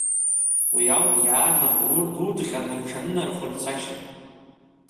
Уи ауп иаанаго урҭ удҟьан рҿанынархо рцашьа…